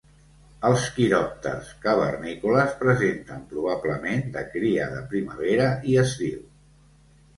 Els quiròpters cavernícoles presenten poblaments de cria de primavera i estiu.